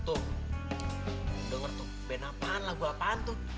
tuh denger tuh band apaan lagu apaan tuh